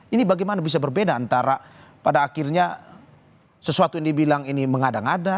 ini bagaimana bisa berbeda antara pada akhirnya sesuatu yang dibilang ini mengada ngada